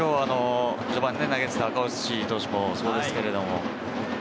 序盤、投げていた赤星投手もそうですけれど。